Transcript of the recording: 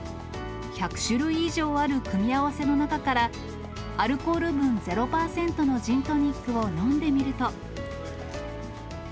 １００種類以上ある組み合わせの中から、アルコール分０％のジンあっ、ジントニックですね。